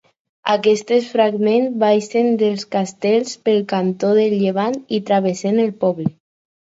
Aquests fragments baixen des del castell pel cantó de llevant i travessen el poble.